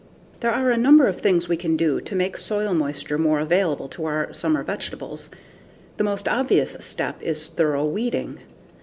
There are a number of things we can do to make soil moisture more available to our summer vegetables. The most obvious step is thorough weeding.